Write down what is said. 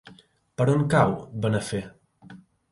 Per on cau Benafer?